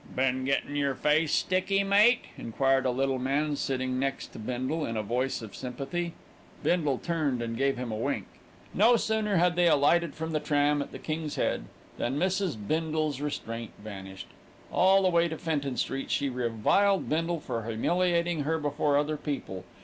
"Been gettin' yer face sticky, mate?" enquired a little man sitting next to Bindle, in a voice of sympathy. Bindle turned and gave him a wink. No sooner had they alighted from the tram at The King's Head, than Mrs. Bindle's restraint vanished. All the way to Fenton Street she reviled Bindle for humiliating her before other people.